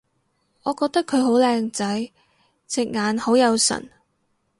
我覺得佢好靚仔！隻眼好有神